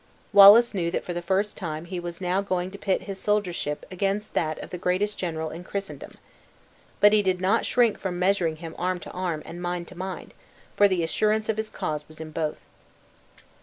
Wallace knew that for the first time he was now going to pit his soldiership against that of the greatest general in Christendom. But he did not shrink from measuring him arm to arm and mind to mind, for the assurance of his cause was in both.